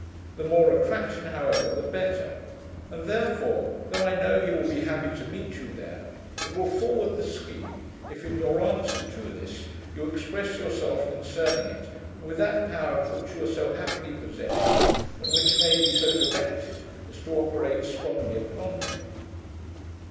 The more attraction, however, the better; and therefore, though I know he will be happy to meet you there, it will forward the scheme, if, in your answer to this, you express yourself concerning it with that power of which you are so happily possessed, and which may be so directed as to operate strongly upon him.